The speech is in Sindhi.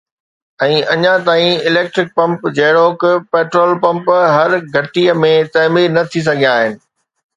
۽ اڃا تائين اليڪٽرڪ پمپ جهڙوڪ پيٽرول پمپ هر گهٽي ۾ تعمير نه ٿي سگهيا آهن